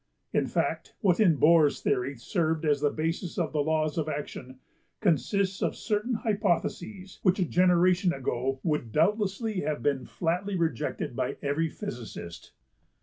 In fact, what in Bohr's theory served as the basis of the laws of action consists of certain hypotheses which a generation ago would doubtless have been flatly rejected by every physicist.